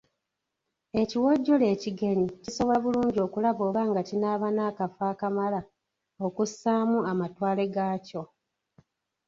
Ekiwojjolo ekigenyi kisobola bulungi okulaba oba nga kinaaba n’akafo akamala okussaamu amatwale gaakyo.